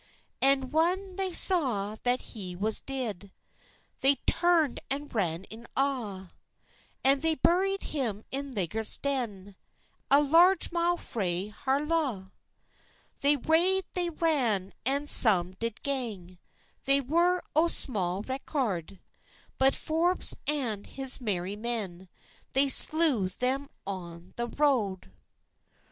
An whan they saw that he was deid, They turnd and ran awa, An they buried him in Legget's Den, A large mile frae Harlaw. They rade, they ran, an some did gang, They were o sma record; But Forbës and his merry men, They slew them a' the road.